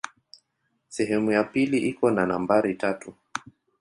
Sehemu ya pili iko na nambari tatu.